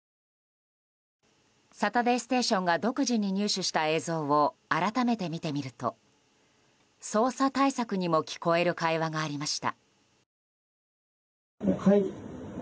「サタデーステーション」が独自に入手した映像を改めて見てみると捜査対策にも聞こえる会話がありました。